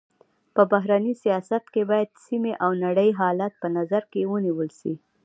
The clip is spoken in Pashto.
په بهرني سیاست کي باید سيمي او نړۍ حالت په نظر کي ونیول سي.